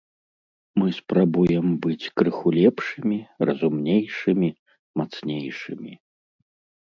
Мы спрабуем быць крыху лепшымі, разумнейшымі, мацнейшымі.